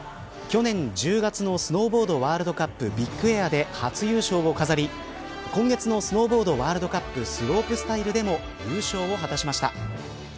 去年、１０月のスノーボードワールドカップビッグエアで初優勝を飾り、今月のスノーボードワールドカップスロープスタイルでも優勝を果たしました。